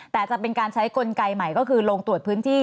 แต่จะเป็นการใช้กลไกใหม่ก็คือลงตรวจพื้นที่